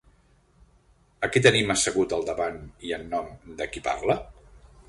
A qui tenim assegut al davant i en nom de qui parla?